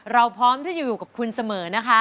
พร้อมที่จะอยู่กับคุณเสมอนะคะ